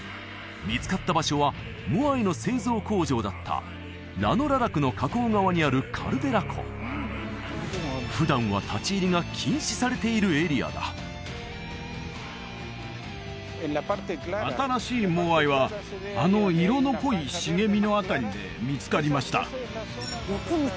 見つかった場所はモアイの製造工場だったラノ・ララクの火口側にあるカルデラ湖普段は立ち入りが禁止されているエリアだ新しいモアイはあの色の濃い茂みの辺りで見つかりました